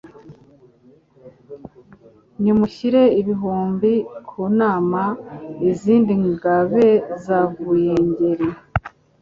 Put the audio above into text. Nimushyire ibihubi ku nama Izindi ngabe zavuye Ngeri